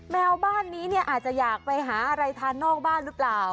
แมวบ้านนี้เนี่ยอาจจะอยากไปหาอะไรทานนอกบ้านหรือเปล่า